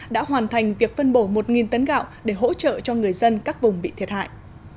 đã hoàn thành việc phân bổ một tấn gạo để hỗ trợ cho người dân các vùng bị thiệt hại